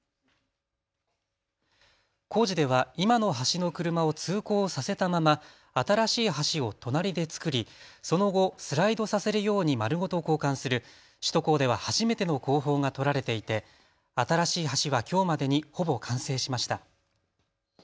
工事では今の橋の車を通行させたまま新しい橋を隣で造りその後、スライドさせるようにまるごと交換する首都高では初めての工法が取られていて新しい橋はきょうまでにほぼ完成しました。